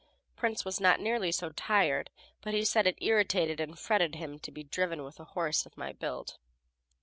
Prince was not nearly so tired, but he said it irritated and fretted him to be driven with a horse of my build.